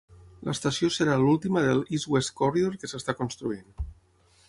L"estació serà l"última del East West Corridor que s"està construint.